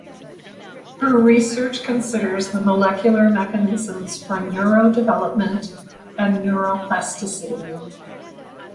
Her research considers the molecular mechanisms for neurodevelopment and neuroplasticity.